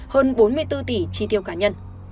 hơn bốn mươi bốn tỷ tri tiêu cá nhân